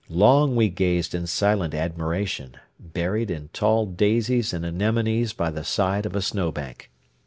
Long we gazed in silent admiration, buried in tall daisies and anemones by the side of a snowbank.